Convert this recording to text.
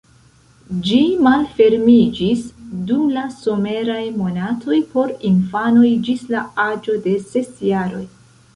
Ĝi malfermiĝis dum la someraj monatoj por infanoj ĝis la aĝo de ses jaroj.